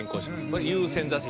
「これ優先座席